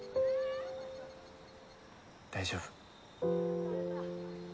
大丈夫。